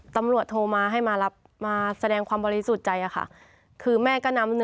ตำรวจโทรมาให้มารับมาแสดงความบริสุทธิ์ใจอะค่ะคือแม่ก็นำ